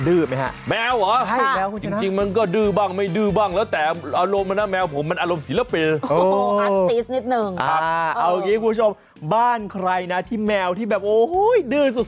เออมันก็เป็นเรื่องที่คุยได้เรื่อย